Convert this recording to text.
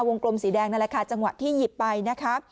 กลมสีแดงนั่นแหละค่ะจังหวะที่หยิบไปนะคะ